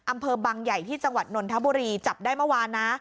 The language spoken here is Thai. อำเภอบังใหญ่ที่จังหวัดนนทบุรีจับได้เมื่อวานนะ